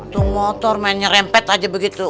tung motor main nyerempet aja begitu